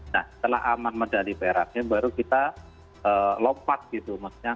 nah setelah aman medali peraknya baru kita lompat gitu maksudnya